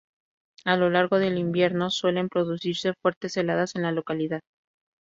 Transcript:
A lo largo del invierno suelen producirse fuertes heladas en la localidad.